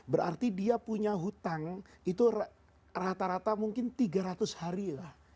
berarti dia punya hutang itu rata rata mungkin tiga ratus hari lah